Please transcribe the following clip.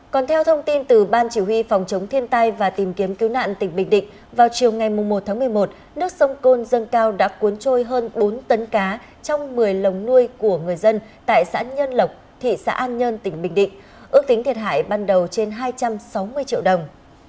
còn theo thông tin từ ban chỉ huy phòng chống thiên tai và tìm kiếm cứu nạn tỉnh bình định vào chiều ngày một một mươi một nước sông côn dâng cao đã cuốn trôi hơn bốn tấn cá trong một mươi lồng nuôi của người dân tại xã nhân lộc thị xã an nhơn tỉnh bình định ước tính thiệt hại ban đầu trên hai trăm sáu mươi triệu đồng